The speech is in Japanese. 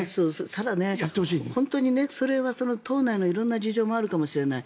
ただ、本当にそれは党内の色んな事情もあるかもしれない。